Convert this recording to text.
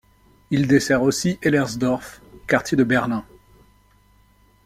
Il dessert aussi Hellersdorf, quartier de Berlin.